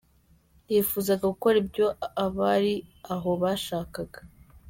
Yifuzaga gukora ibyo abari aho bashakaga.